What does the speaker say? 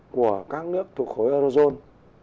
của các nước thuộc khối eurozone